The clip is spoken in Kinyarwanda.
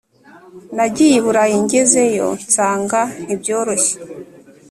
Nagiye iburayi ngezeyo nsanga ntibyoroshye